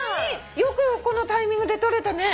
よくこのタイミングで撮れたね。